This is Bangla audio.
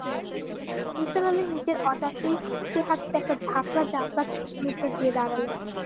নিসার আলি নিজের অজান্তেই হাঁটতে-হাঁটতে একটা ঝাঁকড়া জামগাছের নিচে গিয়ে দাঁড়ালেন।